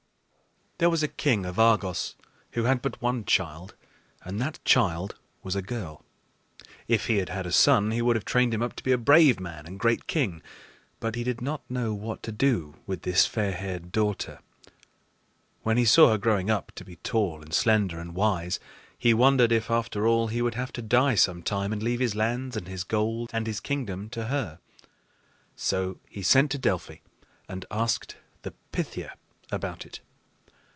There was a king of Argos who had but one child, and that child was a girl. If he had had a son, he would have trained him up to be a brave man and great king; but he did not know what to do with this fair haired daughter. When he saw her growing up to be tall and slender and wise, he wondered if, after all, he would have to die some time and leave his lands and his gold and his kingdom to her. So he sent to Delphi and asked the Pythia about it.